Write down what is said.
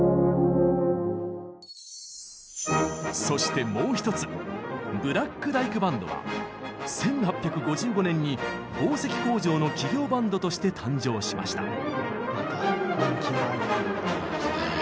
そしてもう一つブラック・ダイク・バンドは１８５５年に紡績工場の企業バンドとして誕生しました。